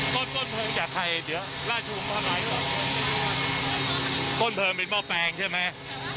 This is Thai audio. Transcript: ต้นเพลิงจากไทยเดี๋ยวต้นเพลิงเป็นหม้อแปลงใช่มั้ย